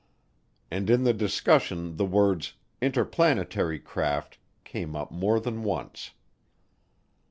And in the discussions the words "interplanetary craft" came up more than once.